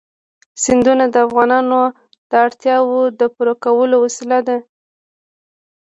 سیندونه د افغانانو د اړتیاوو د پوره کولو وسیله ده.